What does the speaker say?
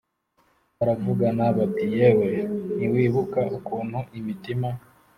Baravugana bati Yewe ntiwibuka ukuntu imitima